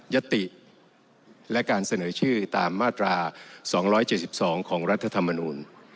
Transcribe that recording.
ยติและการเสนอชื่อตามมาตรา๒๗๒ของรัฐธรรมนูล